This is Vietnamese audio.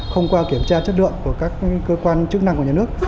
không qua kiểm tra chất lượng của các cơ quan chức năng của nhà nước